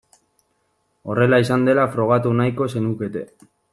Horrela izan dela frogatu nahiko zenukete.